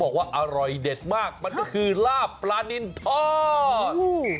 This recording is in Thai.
บอกว่าอร่อยเด็ดมากมันก็คือลาบปลานินทอด